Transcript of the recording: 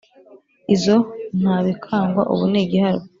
Izo ntabikangwa ubu ni igiharwe